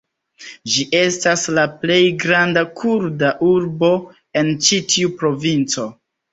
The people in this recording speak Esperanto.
Ĝi estas la plej granda kurda urbo en ĉi tiu provinco.